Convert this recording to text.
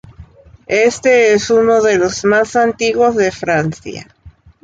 Este es uno de los más antiguos de Francia.